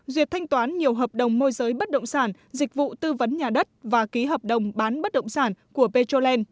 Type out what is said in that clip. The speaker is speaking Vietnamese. duyệt thanh toán nhiều hợp đồng môi giới bất động sản dịch vụ tư vấn nhà đất và ký hợp đồng bán bất động sản của petroland